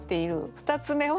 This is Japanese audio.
２つ目は。